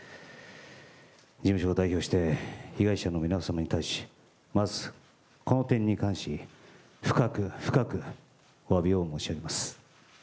事務所を代表して、被害者の皆様に対し、まずこの点に関し、深く深くおわびを申し上げます。